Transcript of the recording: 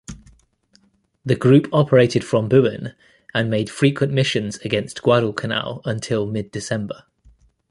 The group operated from Buin and made frequent missions against Guadalcanal until mid December.